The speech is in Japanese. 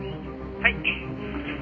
はい。